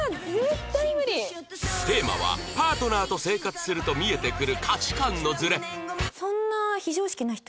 テーマはパートナーと生活すると見えてくる価値観のズレ